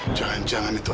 aku akan mencari tahu